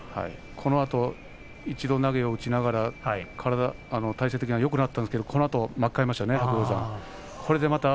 このあと投げを一度打ちながら体勢的にはよくなったんですけどこのあと白鷹山が巻き返しました。